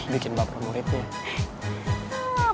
bikin bapak muridnya